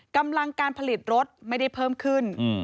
กำลังการผลิตรถไม่ได้เพิ่มขึ้น